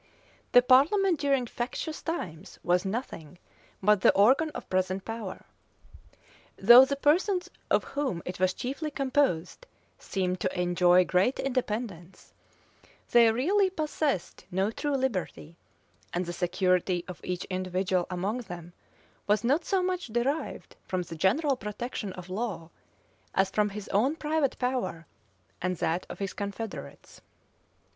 The parliament during factious times was nothing but the organ of present power. Though the persons of whom it was chiefly composed seemed to enjoy great independence, they really possessed no true liberty; and the security of each individual among them was not so much derived from the general protection of law, as from his own private power and that of his confederates.